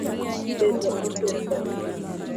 Nindo otero jathum